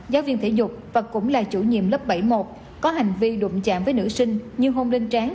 giáo viên thể dục và cũng là chủ nhiệm lớp bảy một có hành vi đụng chạm với nữ sinh nhưng hôn linh tráng